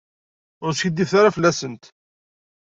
Ur skiddibet ara fell-asent.